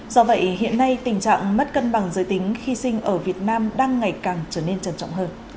do vậy hiện nay tình trạng mất cân bằng giới tính khi sinh ở việt nam đang ngày càng trở nên trân trọng hơn